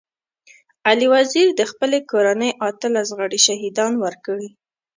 علي وزير د خپلي کورنۍ اتلس غړي شهيدان ورکړي.